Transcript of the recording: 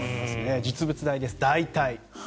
実物大です、大体。